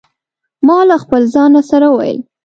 ما له خپل ځانه سره وویل.